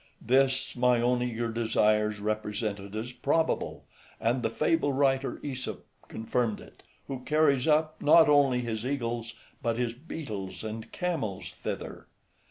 This my own eager desires represented as probable, and the fable writer AEsop {165b} confirmed it, who carries up, not only his eagles, but his beetles, and camels thither.